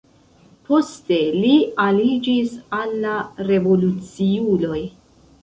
Poste li aliĝis al la revoluciuloj.